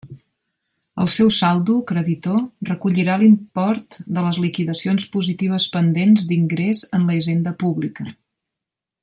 El seu saldo, creditor, recollirà l'import de les liquidacions positives pendents d'ingrés en la Hisenda Pública.